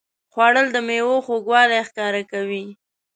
خوړل د میوو خوږوالی ښکاره کوي